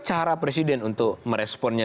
cara presiden untuk meresponnya